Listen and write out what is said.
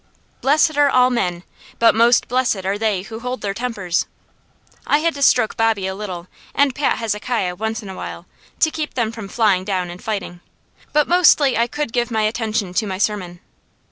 "Blessed are all men, but most blessed are they who hold their tempers." I had to stroke Bobby a little and pat Hezekiah once in a while, to keep them from flying down and fighting, but mostly I could give my attention to my sermon.